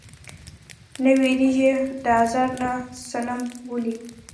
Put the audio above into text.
نۀ ويريږي د ازار نه صنم ولې؟